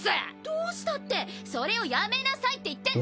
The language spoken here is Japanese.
どうしたってそれをやめなさいって言ってんの！